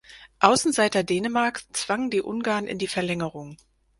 Außenseiter Dänemark zwang die Ungarn in die Verlängerung.